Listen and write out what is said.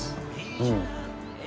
うん。